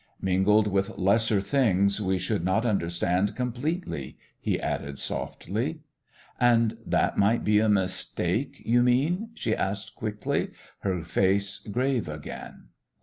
"Mingled with lesser things we should not understand completely," he added softly. "And that might be a mistake, you mean?" she asked quickly, her face grave again.